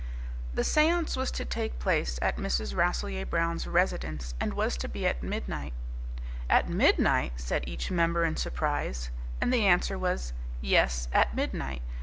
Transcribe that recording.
The seance was to take place at Mrs. Rasselyer Brown's residence, and was to be at midnight. "At midnight!" said each member in surprise. And the answer was, "Yes, at midnight.